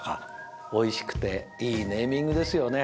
おいしくていいネーミングですよね。